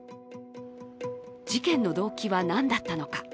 事件の動機は何だったのか。